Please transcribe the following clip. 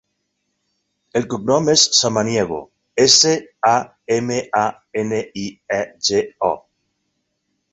El cognom és Samaniego: essa, a, ema, a, ena, i, e, ge, o.